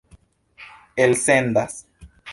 elsendas